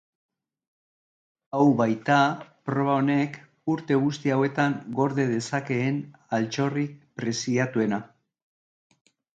Hau baita proba honek urte guzti hauetan gorde dezakeen altxorrik preziatuena.